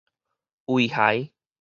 遺骸